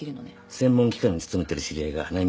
専門機関に勤めてる知り合いが内密にやってくれる。